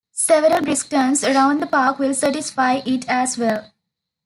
Several brisk turns around the park will satisfy it as well.